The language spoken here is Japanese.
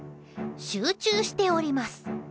集中しております。